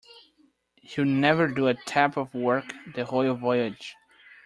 He'll never do a tap of work the whole Voyage.